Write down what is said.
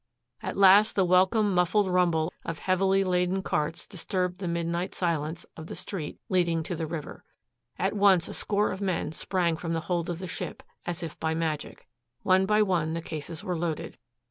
At last the welcome muffled rumble of heavily laden carts disturbed the midnight silence of the street leading to the river. At once a score of men sprang from the hold of the ship, as if by magic. One by one the cases were loaded.